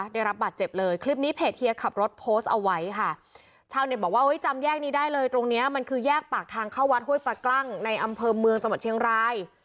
ได้รับบาดเจ็บเลยคลิปนี้เพจเฮียขับรถโพสต์เอาไว้ค่ะชาวเน็ตบอกว่าเฮ้ยจำแยกนี้ได้เลยตรงเนี้ยมันคือแยกปากทางเข้าวัดห้วยปลากลั้งในอำเภอเมืองจังหวัดเชียงราย